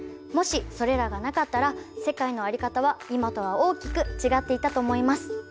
もしそれらがなかったら世界のあり方は今とは大きく違っていたと思います。